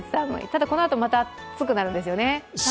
ただこのあとまた暑くなるんですよね。